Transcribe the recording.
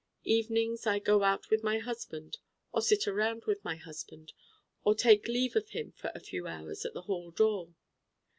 Evenings I go out with my husband, or sit around with my husband, or take leave of him for a few hours at the hall door.